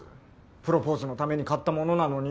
プロポーズのために買ったものなのに。